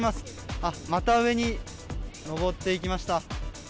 あっ、また上に上っていきました。